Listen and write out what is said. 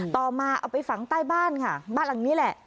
ต่อมาเอาไปฝังใต้บ้านค่ะบ้านหลังนี้แหละ